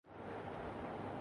Release نہیں ہوسکی ہیں۔